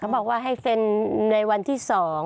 บอกว่าให้เซ็นในวันที่๒